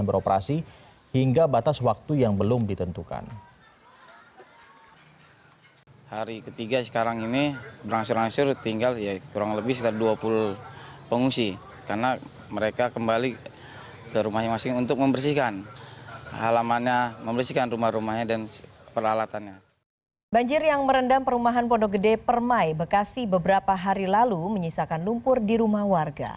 banjir yang merendam perumahan pondok gede permai bekasi beberapa hari lalu menyisakan lumpur di rumah warga